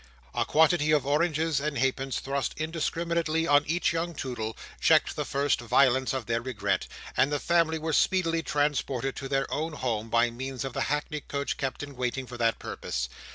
A quantity of oranges and halfpence thrust indiscriminately on each young Toodle, checked the first violence of their regret, and the family were speedily transported to their own home, by means of the hackney coach kept in waiting for that purpose.